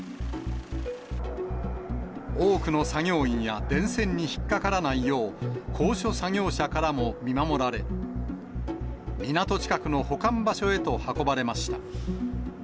多くの作業員や電線に引っかからないよう、高所作業車からも見守られ、港近くの保管場所へと運ばれました。